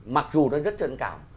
mặc dù nó rất trân cảm